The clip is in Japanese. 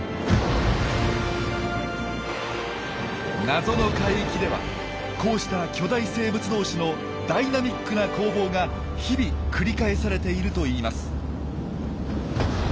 「謎の海域」ではこうした巨大生物同士のダイナミックな攻防が日々繰り返されているといいます。